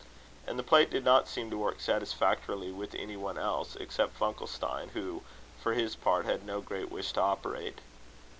And the plate did not seem to work satisfactorily with any one else, except Funkelstein, who, for his part, had no great wish to operate.